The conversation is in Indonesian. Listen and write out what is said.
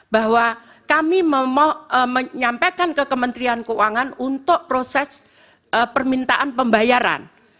bahwa kami menyampaikan ke kementerian keuangan untuk proses permintaan pembayaran